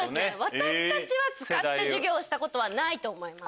私たちは使って授業したことはないと思います。